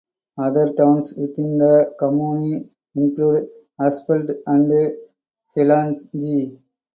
Other towns within the commune include Aspelt and Hellange.